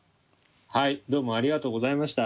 はいどうもありがとうございました。